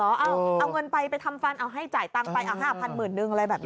เอาเงินไปไปทำฟันเอาให้จ่ายตังค์ไปเอา๕๐๐๐นึงอะไรแบบนี้